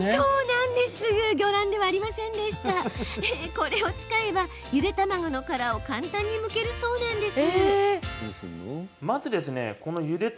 これを使えば、ゆで卵の殻を簡単にむけるそうなんです。